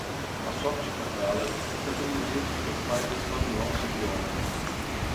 A Softcatalà está traduzindo suas páginas para o nosso idioma.